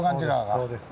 そうです。